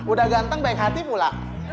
udah ganteng baik hati pula